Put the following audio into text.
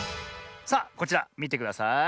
さあこちらみてください。